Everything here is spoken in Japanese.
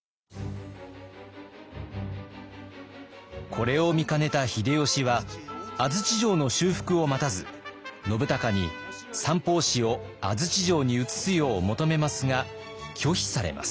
これを見かねた秀吉は安土城の修復を待たず信孝に三法師を安土城に移すよう求めますが拒否されます。